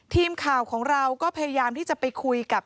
ทีมข่าวของเราก็พยายามที่จะไปคุยกับ